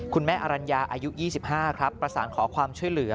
อรัญญาอายุ๒๕ครับประสานขอความช่วยเหลือ